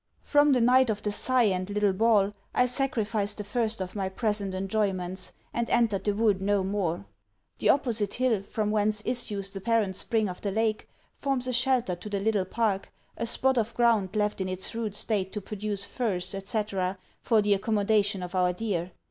From the night of the sigh and little ball, I sacrificed the first of my present enjoyments; and entered the wood no more. The opposite hill, from whence issues the parent spring of the lake, forms a shelter to the little park, a spot of ground left in its rude state to produce furze, &c. for the accommodation of our deer.